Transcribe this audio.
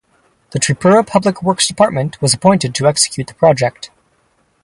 The Tripura Public Works Department was appointed to execute the project.